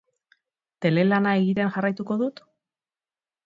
Telelana egiten jarraituko dut?